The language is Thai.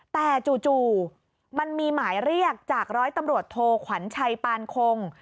แต่จู่มันมีหมายเรียกจากร้อยตำรวจโทขวัญชัยปานคง